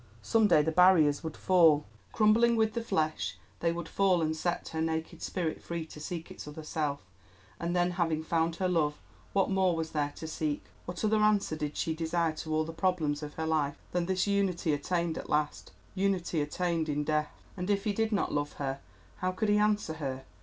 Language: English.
Some day the barriers would fall. Crumbling with the flesh, they would fall and set her naked spirit free to seek its other self. And then, having found her love, what more was there to seek? What other answer did she desire to all the problems of her life than this of Unity attained at last—Unity attained in Death! And if he did not love her, how could he answer her?